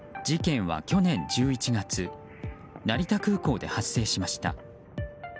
事件は去年１１月成田空港で発生しました。